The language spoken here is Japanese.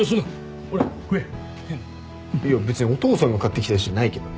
いや別にお父さんが買ってきたやつじゃないけどね。